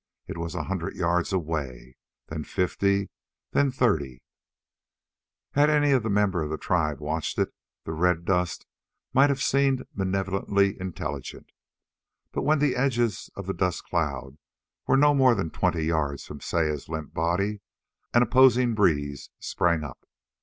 It was a hundred yards away, then fifty, then thirty.... Had any member of the tribe watched it, the red dust might have seemed malevolently intelligent. But when the edges of the dust cloud were no more than twenty yards from Saya's limp body, an opposing breeze sprang up.